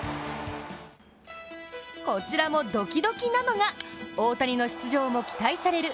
こちらもドキドキなのが、大谷の出場も期待される